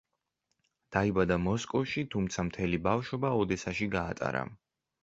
დაიბადა მოსკოვში, თუმცა მთელი ბავშვობა ოდესაში გაატარა.